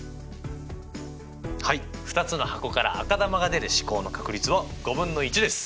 はい２つの箱から赤球が出る試行の確率は５分の１です。